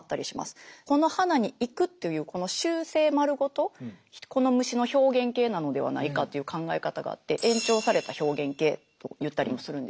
この花に行くというこの習性丸ごとこの虫の表現型なのではないかという考え方があって延長された表現型と言ったりもするんですけど。